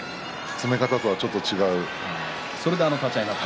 攻め方とはちょっと違った。